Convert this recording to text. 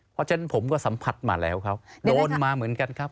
เพราะฉะนั้นผมก็สัมผัสมาแล้วครับโดนมาเหมือนกันครับ